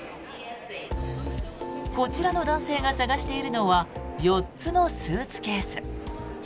こちらの男性が探しているのは４つのスーツケース。